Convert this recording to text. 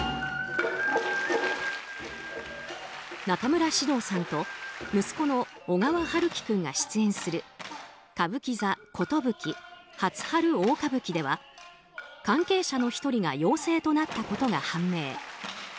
中村獅童さんと息子の小川陽喜君が出演する歌舞伎座「壽初春大歌舞伎」では関係者の１人が陽性となったことが判明。